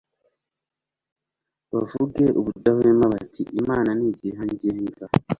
bavuge ubudahwema bati Imana ni igihangange»